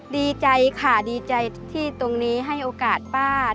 ดีใจค่ะดีใจที่ตรงนี้ให้โอกาสป้า